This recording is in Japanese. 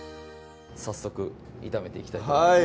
早速炒めていきたいと思います